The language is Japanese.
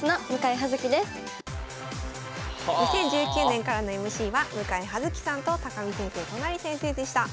２０１９年からのＭＣは向井葉月さんと見先生都成先生でした。